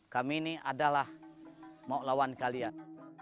kami ini adalah maulawan kalian